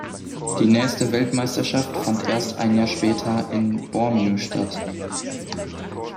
Die nächste Weltmeisterschaft fand erst ein Jahr später in Bormio statt.